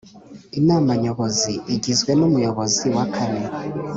Inama Nyobozi igizwe n Umuyobozi wa kane